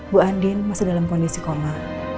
bu andien masih dalam kondisi koma